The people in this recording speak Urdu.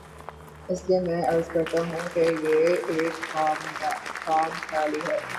اس لیے میں عرض کرتا ہوں کہ یہ ایک خام خیالی ہے۔